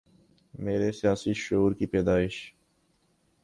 میرے سیاسی شعور کی پیدائش